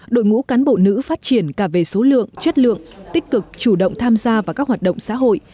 đội ngũ cán bộ nữ phát triển cả về số lượng chất lượng tích cực chủ động tham gia vào các hoạt động xã hội